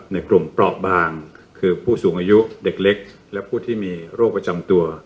ในกลุ่มเปราะบางคือผู้สูงอายุเด็กเล็กและผู้ที่มีโรคประจำตัว